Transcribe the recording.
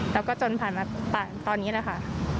แล้วก็จนผ่านมาตอนนี้แหละค่ะ